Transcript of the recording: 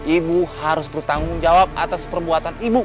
ibu harus bertanggung jawab atas perbuatan ibu